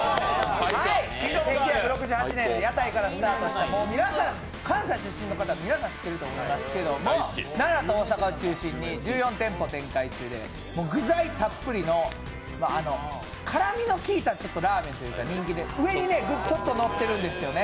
１９６８年、屋台からスタートした、皆さん関西出身の方皆さん知ってると思いますけど、奈良と大阪を中心に１４店舗展開中で具材たっぷりの辛みのきいたラーメンというか人気で、上にちょっとのってるんですよね。